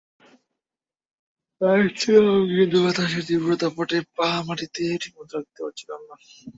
হাঁটছিলাম কিন্তু বাতাসের তীব্র দাপটে পা মাটিতে ঠিকমত রাখতে পারছিলাম না।